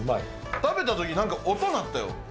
食べたとき、なんか、音鳴ったよ。